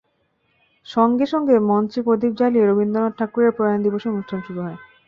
সঙ্গে সঙ্গে মঞ্চে প্রদীপ জ্বালিয়ে রবীন্দ্রনাথ ঠাকুরের প্রয়াণ দিবসের অনুষ্ঠান শুরু হয়।